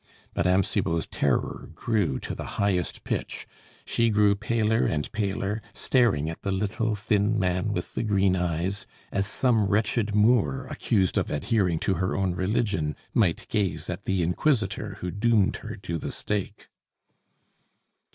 Mme. Cibot's terror grew to the highest pitch. She grew paler and paler, staring at the little, thin man with the green eyes, as some wretched Moor, accused of adhering to her own religion, might gaze at the inquisitor who doomed her to the stake.